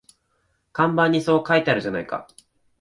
看板にそう書いてあるじゃないか